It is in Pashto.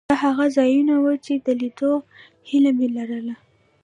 دا هغه ځایونه وو چې د لیدو هیله مې لرله.